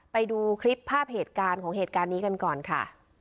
ไปดูคลิปภาพเหตุการณ์ของเหตุการณ์นี้กันก่อนค่ะ